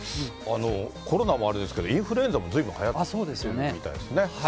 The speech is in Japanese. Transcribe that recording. コロナもあれですけど、インフルエンザもずいぶんはやってるみたいですね。